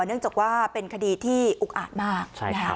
เนื่องจากว่าเป็นคดีที่อุกอาจมาก